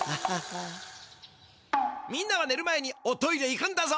みんなはねる前におトイレ行くんだぞ。